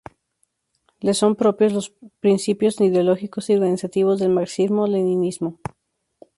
Le son propios los principios ideológicos y organizativos del marxismo-leninismo.